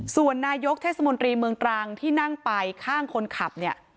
ส่วนนายกเทศมนตรีเมืองตรังที่นั่งไปข้างคนขับเนี่ย